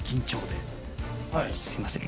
すいません。